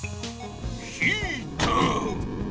ヒーター！